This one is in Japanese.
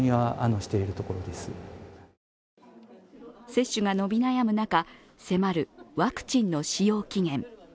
接種が伸び悩む中迫るワクチンの使用期限。